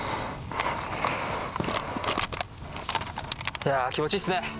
いや気持ちいいっすね。